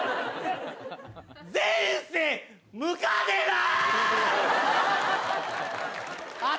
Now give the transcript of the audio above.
前世ムカデなん！？